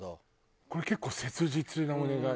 これ結構切実なお願い。